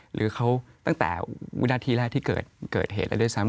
หรือเขาตั้งแต่วินาทีแรกที่เกิดเหตุแล้วด้วยซ้ำ